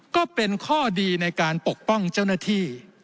ก็เป็นข้อดีในการปกป้องเจ้าหน้าที่